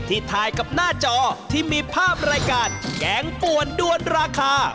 ถ่ายกับหน้าจอที่มีภาพรายการแกงป่วนด้วนราคา